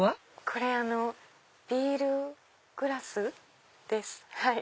これビールグラスです。